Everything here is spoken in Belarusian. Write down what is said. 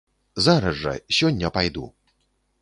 Зараз жа, сёння пайду.